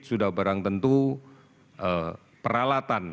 sudah barang tentu peralatan